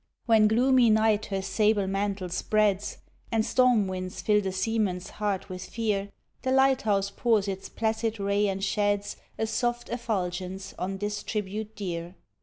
When gloomy night her sable mantle spreads, And storm winds fill the seaman's heart with fear, The light house pours its placid ray and sheds A soft effulgence on this tribute dear.